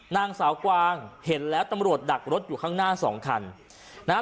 นางสาวกวางเห็นแล้วตำรวจดักรถอยู่ข้างหน้าสองคันนะฮะ